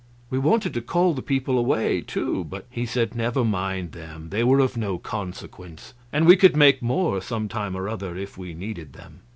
We wanted to call the people away, too, but he said never mind them; they were of no consequence, and we could make more, some time or other, if we needed them.